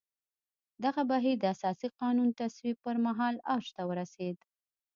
دغه بهیر د اساسي قانون تصویب پر مهال اوج ته ورسېد.